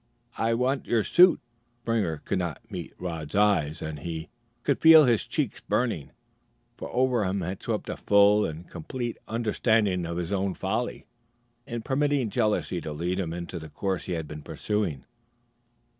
"I want your suit." Springer could not meet Rod's eyes, and he could feel his cheeks burning; for over him had swept a full and complete understanding of his own folly in permitting jealousy to lead him into the course he had been pursuing.